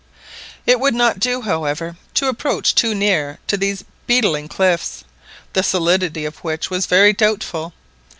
It would not do, however, to approach too near to these beetling cliffs, the solidity of which was very doubtful.